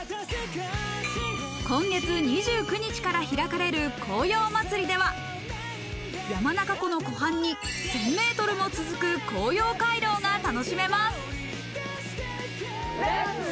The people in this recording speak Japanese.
今月２９日から開かれる紅葉まつりでは山中湖の湖畔に１０００ｍも続く紅葉回廊が楽しめます。